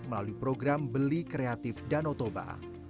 melalui program beli kreatif dan otoba